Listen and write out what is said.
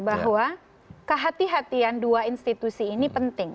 bahwa kehatian kehatian dua institusi ini penting